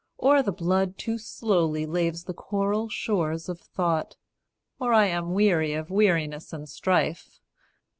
Or the blood Too slowly laves the coral shores of thought, Or I am weary of weariness and strife.